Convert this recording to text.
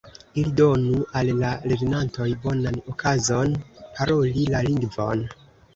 Ili donu al la lernantoj bonan okazon paroli la lingvon.